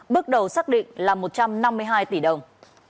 bước đầu xác định là một trăm năm mươi hai tỷ đồng